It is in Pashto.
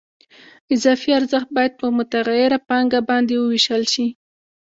اضافي ارزښت باید په متغیره پانګه باندې ووېشل شي